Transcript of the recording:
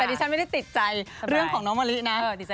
แต่ดิฉันไม่ได้ติดใจเรื่องของน้องมะลินะ